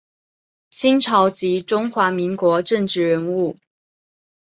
清朝及中华民国政治人物。